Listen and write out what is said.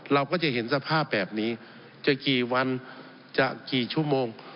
เราก็จะเห็นสภาพแบบนี้จะกี่วันจะกี่ชั่วโมง